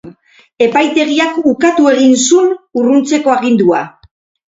Epaitegiak ukatu egin zun urruntzeko agindua.